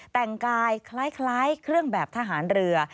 แต่งกายคล้ายเครื่องแบบทหารเรือ